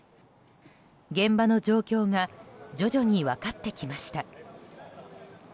現場の状況が徐々に分かってきました。